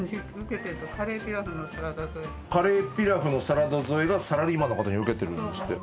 カレーピラフのサラダ添えがサラリーマンの方にうけてるんですって